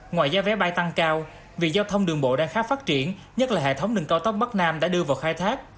ngoài giá vé bay tăng cao vì giao thông đường bộ đang khá phát triển nhất là hệ thống đường cao tốc bắc nam đã đưa vào khai thác